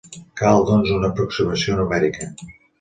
Cal, doncs, una aproximació numèrica.